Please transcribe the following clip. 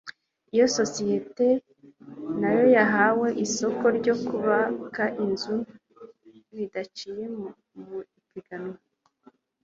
iyo sosiyete ni na yo yahawe isoko ryo kubaka inzu bidaciye mu ipiganwa